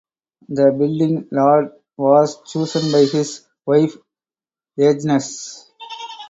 The building lot was chosen by his wife Agnes.